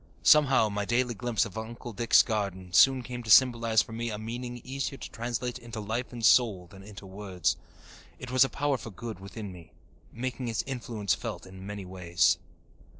Somehow, my daily glimpse of Uncle Dick's garden soon came to symbolize for me a meaning easier to translate into life and soul than into words. It was a power for good within me, making its influence felt in many ways.